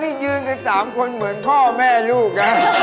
นี่ยืนกัน๓คนเหมือนพ่อแม่ลูกนะ